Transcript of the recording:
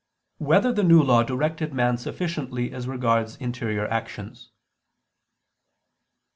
3] Whether the New Law Directed Man Sufficiently As Regards Interior Actions?